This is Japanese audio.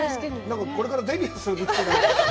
これからデビューするみたい。